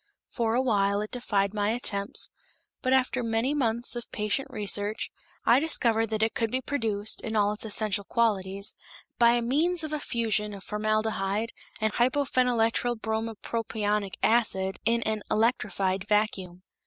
For a while it defied my attempts, but, after many months of patient research, I discovered that it could be produced, in all its essential qualities, by means of a fusion of formaldehyde and hypophenyltrybrompropionic acid in an electrified vacuum.